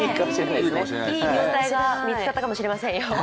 いい業態が見つかったかもしれませんよ。